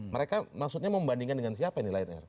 mereka maksudnya membandingkan dengan siapa ini lion air